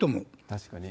確かに。